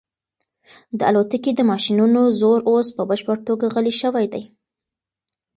د الوتکې د ماشینونو زور اوس په بشپړه توګه غلی شوی دی.